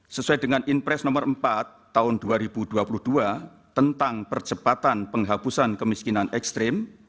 sesuai dengan impres nomor empat tahun dua ribu dua puluh dua tentang percepatan penghapusan kemiskinan ekstrim